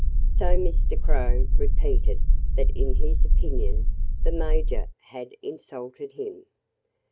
So Mr. Crow repeated that in his opinion the Major had insulted him.